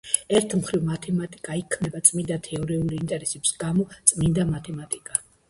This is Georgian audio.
ერთი მხრივ მათემატიკა იქმნება წმინდა თეორიული ინტერესების გამო – წმინდა მათემატიკა.